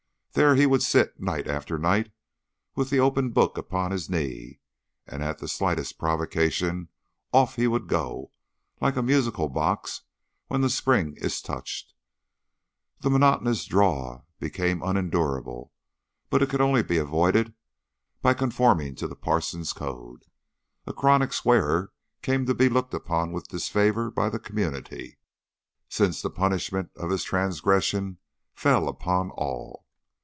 There he would sit, night after night, with the open book upon his knee, and at the slightest provocation off he would go, like a musical box when the spring is touched. The monotonous drawl became unendurable, but it could only be avoided by conforming to the parson's code. A chronic swearer came to be looked upon with disfavour by the community, since the punishment of his transgression fell upon all.